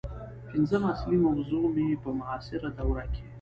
پنځمه اصلي موضوع مې په معاصره دوره کې